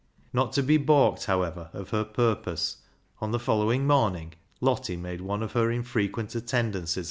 Not to be baulked, however, of her purpose, on the following morning Lottie made one of her infrequent attendances